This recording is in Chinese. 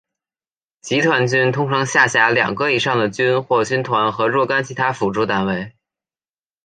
集团军通常下辖两个以上的军或军团和若干其他辅助单位。